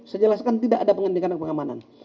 saya jelaskan tidak ada peningkatan pengamanan